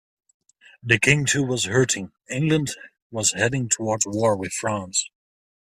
The King too was hurting; England was heading towards war with France.